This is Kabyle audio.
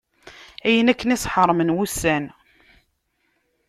Ayen akken i s-ḥeṛmen wussan.